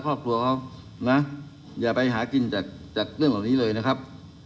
ครอบครัวเขานะอย่าไปหากินจากเรื่องเหล่านี้เลยนะครับ